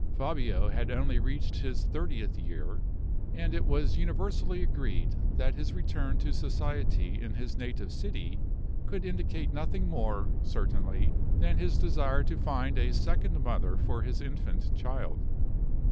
Fabio had only reached his thirtieth year; and it was universally agreed that his return to society in his native city could indicate nothing more certainly than his desire to find a second mother for his infant child.